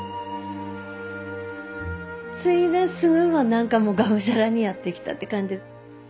継いですぐは何かもうがむしゃらにやってきたって感じ。